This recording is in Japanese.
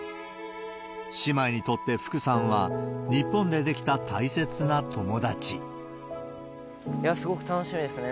姉妹にとって福さんは、いや、すごく楽しみですね。